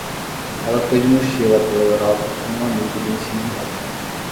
Ela foi de mochila pela Europa com um amigo do ensino médio.